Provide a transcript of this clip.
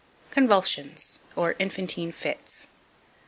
Convulsions, or Infantine Fits.